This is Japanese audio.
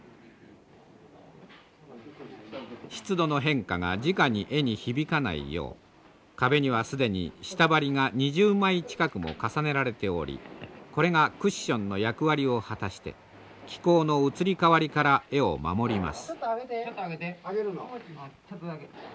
湿度の変化がじかに絵にひびかないよう壁には既に下張りが２０枚近くも重ねられておりこれがクッションの役割を果たして気候の移り変わりから絵を守ります。